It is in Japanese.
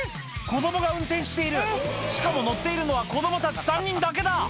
子供が運転しているしかも乗っているのは子供たち３人だけだ！